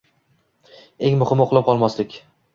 Eng muhimi uxlab qolmaslik.